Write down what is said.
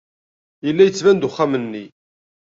Yella yettban-d uxxam-nni.